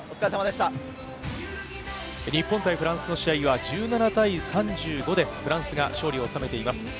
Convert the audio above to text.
日本対フランスの試合は１７対３５でフランスが勝利を収めています。